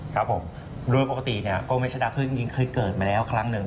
ครับผมโดยปกติเนี่ยก็ไม่ใช่ดาคือจริงเคยเกิดมาแล้วครั้งหนึ่ง